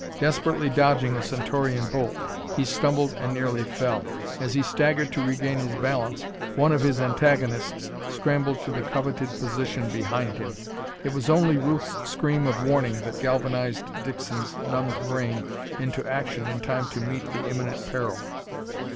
Desperately dodging a Centaurian bolt, he stumbled and nearly fell. As he staggered to regain his balance, one of his antagonists scrambled to the coveted position behind him. It was only Ruth's scream of warning that galvanized Dixon's numbed brain into action in time to meet the imminent peril.